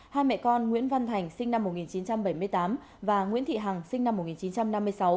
hai mẹ con nguyễn văn thành sinh năm một nghìn chín trăm bảy mươi tám và nguyễn thị hằng sinh năm một nghìn chín trăm năm mươi sáu